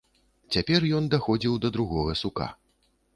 Цяпер ён даходзіў да другога сука.